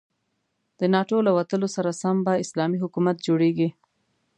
د ناتو له وتلو سره سم به اسلامي حکومت جوړيږي.